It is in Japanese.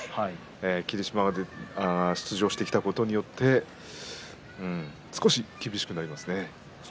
霧島が出場してきたことによって少し厳しくなると思います。